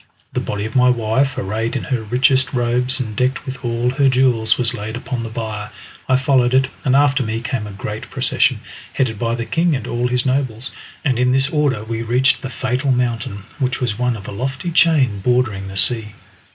The body of my wife, arrayed in her richest robes and decked with all her jewels, was laid upon the bier. I followed it, and after me came a great procession, headed by the king and all his nobles, and in this order we reached the fatal mountain, which was one of a lofty chain bordering the sea.